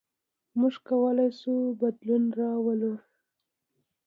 موږ کولی شو بدلون راولو.